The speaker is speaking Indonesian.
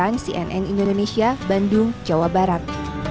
nn indonesia bandung jawa barat